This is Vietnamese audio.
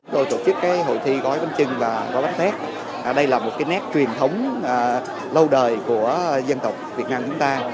chúng tôi tổ chức cái hội thi gói bánh chưng và gói bánh tét đây là một cái nét truyền thống lâu đời của dân tộc việt nam chúng ta